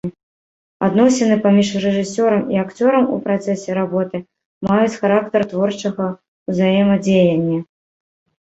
Адносіны паміж рэжысёрам і акцёрам у працэсе работы маюць характар творчага ўзаемадзеяння.